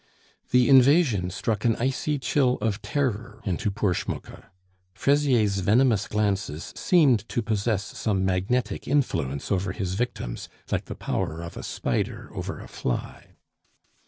The invasion struck an icy chill of terror into poor Schmucke. Fraisier's venomous glances seemed to possess some magnetic influence over his victims, like the power of a spider over a fly.